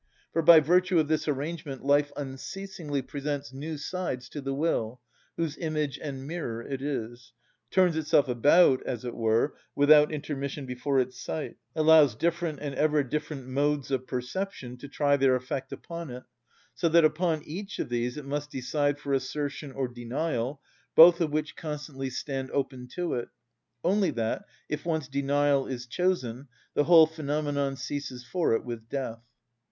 For by virtue of this arrangement life unceasingly presents new sides to the will (whose image and mirror it is), turns itself about, as it were, without intermission before its sight, allows different and ever different modes of perception to try their effect upon it, so that upon each of these it must decide for assertion or denial, both of which constantly stand open to it, only that, if once denial is chosen, the whole phenomenon ceases for it with death.